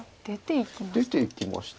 出ていきました。